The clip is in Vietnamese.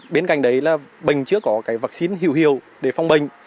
bên cạnh đấy là bệnh chưa có vật xin hiểu hiểu để phong bệnh